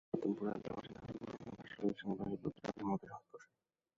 রতনপুর এলাকার বাসিন্দা হাবিবুর রহমানের ভাষ্য, রেলস্টেশনের পাশে প্রতি রাতেই মদের হাট বসে।